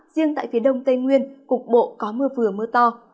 riêng tại phía đông tây nguyên cục bộ có mưa vừa mưa to